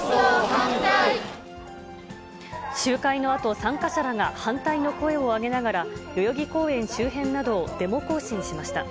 集会のあと、参加者らが反対の声を上げながら、代々木公園周辺などをデモ行進しました。